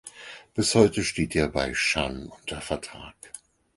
Bis heute steht er bei Shan unter Vertrag.